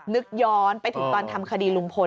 นึกย้อนไปถึงตอนทำคดีลุงพล